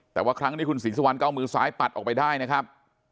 แต่ว่าครั้งนี้คุณศรีสุวรรณก็เอามือซ้ายปัดออกไปได้นะครับ